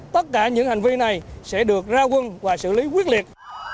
tất cả những hành vi này sẽ được ra quân và xử lý quyết liệt